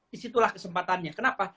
disitulah kesempatannya kenapa